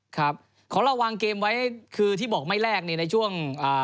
ครับของเราวางเกมไว้คือที่บอกไม่แรกเนี่ยในช่วงอ่า